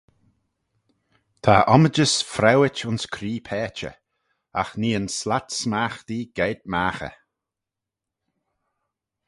Ta ommijys fraueit ayns cree paitchey: agh nee yn slat smaghtee geiyrt magh eh.